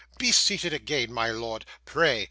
Be seated again, my lord, pray.